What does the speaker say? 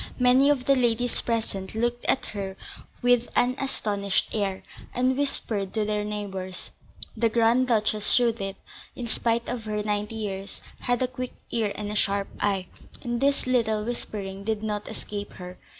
Many of the ladies present looked at her with an astonished air, and whispered to their neighbours. The Grand Duchess Judith, in spite of her ninety years, had a quick ear and a sharp eye, and this little whispering did not escape her.